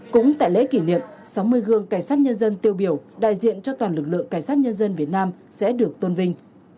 cũng tại lễ kỷ niệm sáu mươi gương cảnh sát nhân dân tiêu biểu đại diện cho toàn lực lượng cảnh sát nhân dân việt nam sẽ được tôn vinh